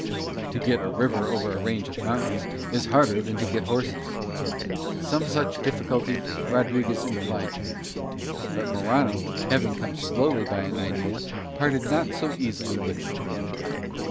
To get a river over a range of mountains is harder than to get horses. Some such difficulty Rodriguez implied to him; but Morano, having come slowly by an idea, parted not so easily with it.